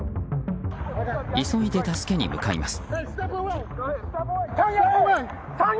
急いで助けに向かいます。